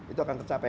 itu akan tercapai